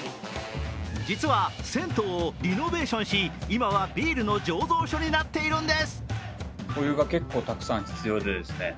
実は、銭湯をリノベーションし今はビールの醸造所になっているんです。